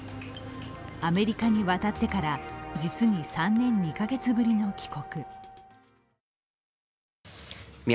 アメリカに渡ってから実に３年２カ月ぶりの帰国。